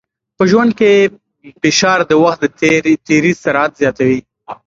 په ژوند کې فشار د وخت د تېري سرعت زیاتوي.